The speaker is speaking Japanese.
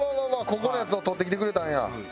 ここのやつをとってきてくれたんや！